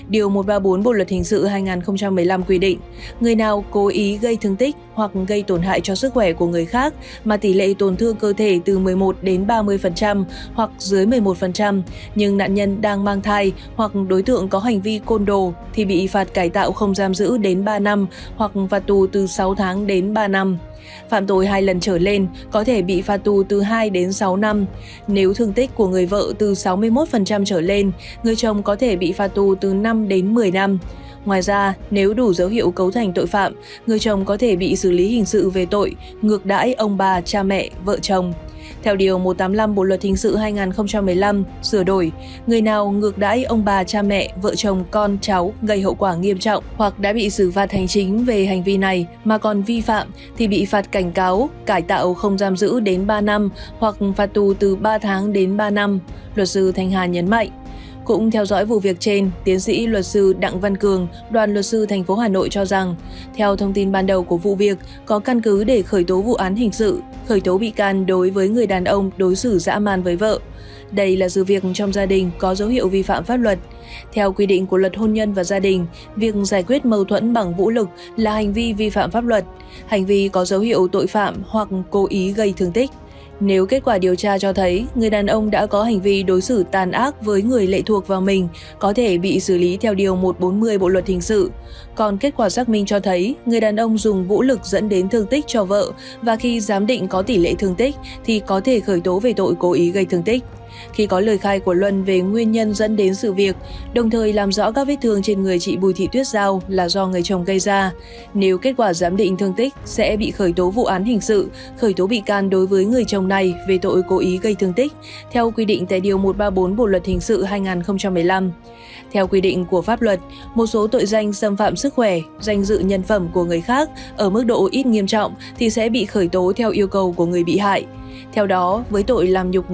điều một trăm ba mươi sáu bộ luật hình sự hai nghìn một mươi năm quy định người nào cố ý gây tổn thương cơ thể từ một mươi một đến ba mươi nhưng nạn nhân đang mang thai hoặc gây tổn thương cơ thể từ một mươi một đến ba mươi nhưng nạn nhân đang mang tổn thương cơ thể từ một mươi một đến ba mươi nhưng nạn nhân đang mang tổn thương cơ thể từ một mươi một đến ba mươi nhưng nạn nhân đang mang tổn thương cơ thể từ một mươi một đến ba mươi nhưng nạn nhân đang mang tổn thương cơ thể từ một mươi một đến ba mươi nhưng nạn nhân đang mang tổn thương cơ thể từ một mươi một đến ba mươi nhưng nạn nhân đang mang tổn thương cơ thể từ một mươi một đến ba mươi nhưng nạn nhân đang mang tổn thương cơ thể từ một mươi một đến ba mươi nhưng nạn nhân đang mang tổn thương cơ thể từ một mươi một